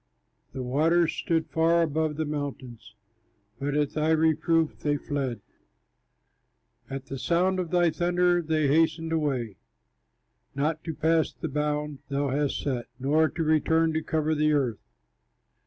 The waters stood far above the mountains, But at thy reproof they fled, At the sound of thy thunder they hastened away, Not to pass the bound thou hadst set, Not to return to cover the earth.